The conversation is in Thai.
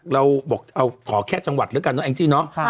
เราขอแค่จังหวัดแล้วกันเนอะแองจิเนอะ